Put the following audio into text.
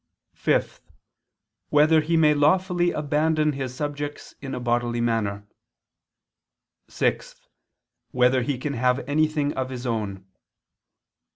(5) Whether he may lawfully abandon his subjects in a bodily manner? (6) Whether he can have anything of his own?